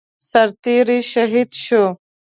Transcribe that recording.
سرتيری شهید شو